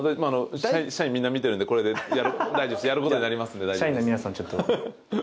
社員みんな見てるのでこれでやることになりますので。